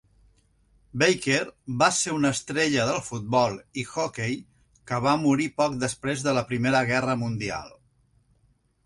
Baker va ser una estrella del futbol i hoquei que va morir poc després de la Primera Guerra Mundial.